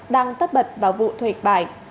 đang tắt bật vào vụ thuệt bài